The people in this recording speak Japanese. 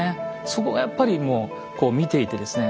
そこがやっぱりもうこう見ていてですね